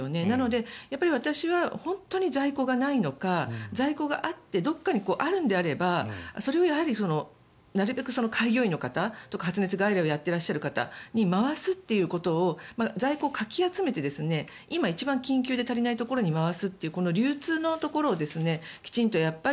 なので、私は本当に在庫がないのか在庫があってどこかにあるのであればそれをなるべく開業医の方とか発熱外来をやっていらっしゃる方に回すということを在庫をかき集めて今、一番緊急で足りないところに回すというこの流通のところをきちんと。